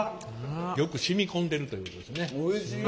よく染み込んでるということですね。